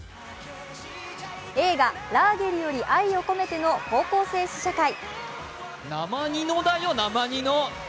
映画「ラーゲリより愛を込めて」の高校生試写会。